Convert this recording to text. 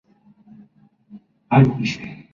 Fue contratado por el Trabzonspor turco.